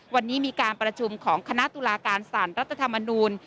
วันนี้มีการประชุมของคณะตุลาการสารรัฐธรรมนูล